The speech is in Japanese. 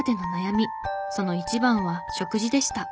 その一番は食事でした。